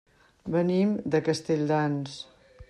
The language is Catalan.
Venim de Castelldans.